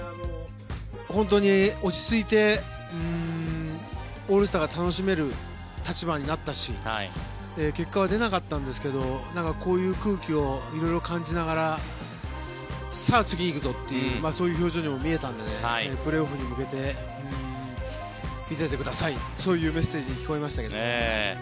本当に落ち着いてオールスターが楽しめる立場になったし結果は出なかったんですけどこういう空気を色々感じながらさあ、次に行くぞというそういう表情にも見えたのでプレーオフに向けて見ていてくださいそういうメッセージに聞こえましたけどね。